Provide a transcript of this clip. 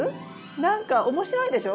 何か面白いでしょ？